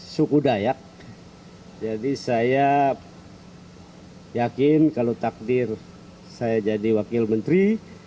suku dayak jadi saya yakin kalau takdir saya jadi wakil menteri